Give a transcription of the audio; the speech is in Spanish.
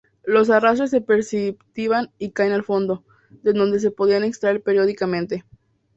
Los arrastres se precipitan y caen al fondo, de donde se podían extraer periódicamente.